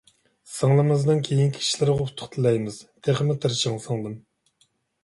سىڭلىمىزنىڭ كېيىنكى ئىشلىرىغا ئۇتۇق تىلەيمىز، تېخىمۇ تىرىشىڭ سىڭلىم!